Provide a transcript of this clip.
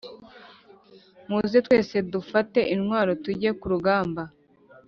Muze twese dufate intwaro tujye kurugamba